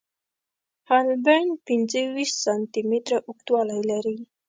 حالبین پنځه ویشت سانتي متره اوږدوالی لري.